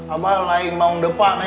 abah lain maung depa nih